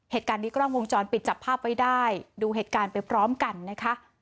เหตุการณ์นี้กล้องวงจรปิดจับภาพไว้ได้ดูเหตุการณ์ไปพร้อมกันนะคะ